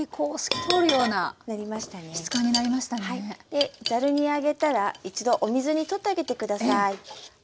でざるに上げたら一度お水にとっといて下さい。